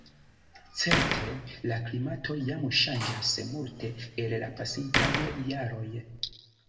Certe, la klimato jam ŝanĝas multe el la pasintaj jaroj.